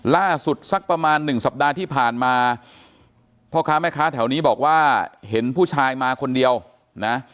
สักประมาณหนึ่งสัปดาห์ที่ผ่านมาพ่อค้าแม่ค้าแถวนี้บอกว่าเห็นผู้ชายมาคนเดียวนะ